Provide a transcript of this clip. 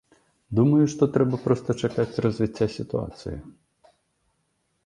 Думаю, што трэба проста чакаць развіцця сітуацыі.